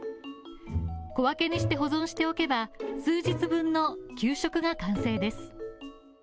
小分けにして保存しておけば、数日分の給食が完成です。